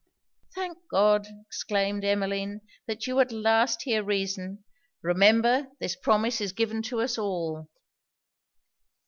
'Thank God!' exclaimed Emmeline, 'that you at last hear reason! Remember this promise is given to us all.'